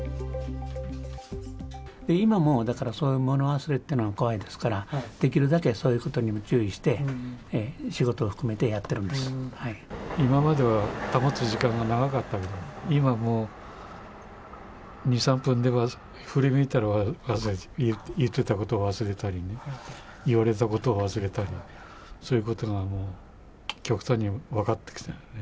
今もだから、そういう物忘れっていうのは怖いですから、できるだけそういうことにも注意して、仕事を含めてやってるんで今までは保つ時間が長かったけど、今、もう２、３分で、振り向いたら忘れてる、言ってたことを忘れたりね、言われたことを忘れたり、そういうことが極端に分かってきたよね。